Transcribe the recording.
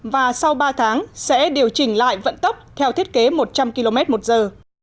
và sau ba tháng sẽ điều chỉnh lại vận tốc theo thiết kế một trăm linh km một giờ